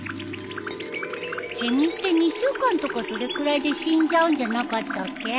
セミって２週間とかそれくらいで死んじゃうんじゃなかったっけ？